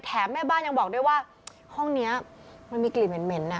แม่บ้านยังบอกด้วยว่าห้องนี้มันมีกลิ่นเหม็นอ่ะ